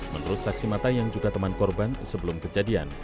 menurut saksi mata yang juga teman korban sebelum kejadian